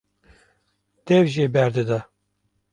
dev jê berdida.